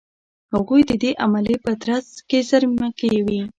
هغوی د دې عملیې په ترڅ کې زېرمه کوي.